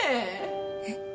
えっ。